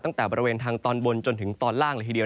ตั้งแต่บริเวณทางตอนบนจนถึงตอนล่างเลยทีเดียว